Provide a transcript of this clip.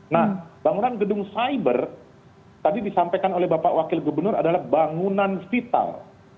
nah bangunan gedung cyber tadi disampaikan oleh bapak wakil gubernur adalah bangunan vital